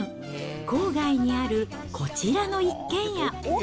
郊外にあるこちらの一軒家。